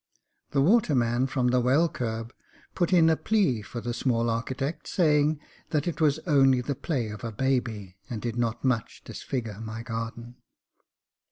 The water man from the well curb put in a plea for the small architect, saying that it was only the play of a baby and did not much disfigure my garden.